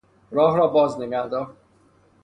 راهها را باز نگهدار.